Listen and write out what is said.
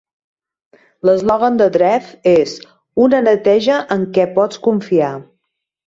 L'eslògan de Dreft és "Una neteja en què pots confiar".